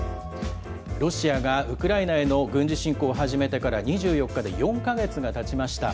ロシアがウクライナへの軍事侵攻を始めてから２４日で４か月がたちました。